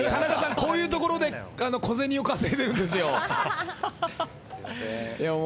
こういうところで小銭を稼いでるんですよ。